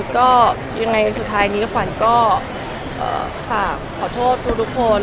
ก็ยังไงสุดท้ายนี้ขวัญก็ฝากขอโทษทุกคน